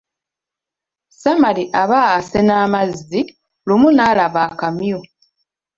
Samali aba asena amazzi, lumu n'alaba akamyu.